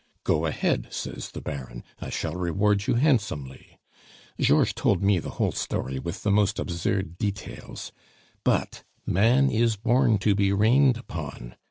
'Go ahead,' says the Baron; 'I shall reward you handsomely!' Georges told me the whole story with the most absurd details. But man is born to be rained upon!